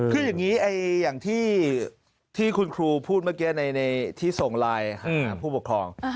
คืออย่างนี้อย่างที่คุณครูพูดเมื่อกี้ที่ส่งไลน์หาผู้ปกครอง